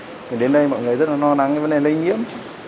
mọi người đến đây rất là no nắng với vấn đề lây nhiễm